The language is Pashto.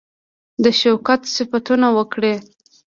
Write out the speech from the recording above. د شوکت صفتونه وکړي.